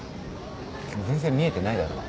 全然見えてないだろ。